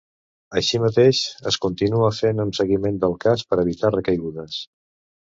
Així mateix, es continua fent un seguiment del cas per evitar recaigudes.